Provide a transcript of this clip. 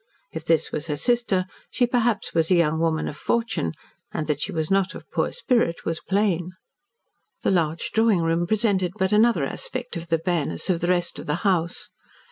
If this was her sister, she perhaps was a young woman of fortune, and that she was not of poor spirit was plain. The large drawing room presented but another aspect of the bareness of the rest of the house.